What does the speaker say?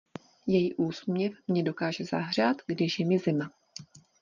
Její úsměv mě dokáže zahřát, když je mi zima.